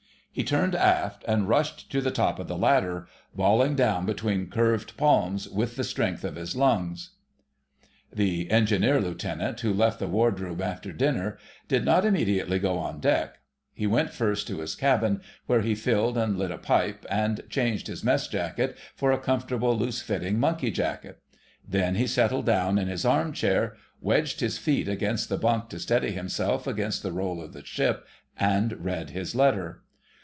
He turned aft and rushed to the top of the ladder, bawling down between curved palms with all the strength of his lungs. The Engineer Lieutenant who left the Wardroom after dinner did not immediately go on deck. He went first to his cabin, where he filled and lit a pipe, and changed his mess jacket for a comfortable, loose fitting monkey jacket. Then he settled down in his armchair, wedged his feet against the bunk to steady himself against the roll of the ship, and read his letter.